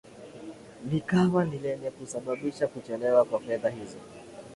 likawa ni lenye kusababisha kuchelewa kwa fedha hizo